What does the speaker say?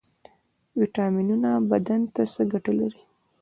ویټامینونه بدن ته څه ګټه لري؟